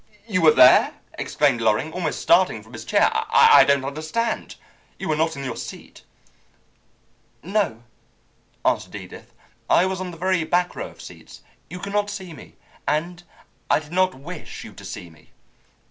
"You were there!" exclaimed Loring, almost starting from his chair. "I don't understand. You were not in your seat." "No," answered Edith. "I was on the very back row of seats. You could not see me, and I did not wish you to see me."